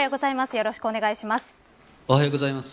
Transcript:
よろしくお願いします。